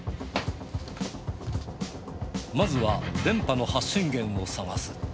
まずは電波の発信源を探す。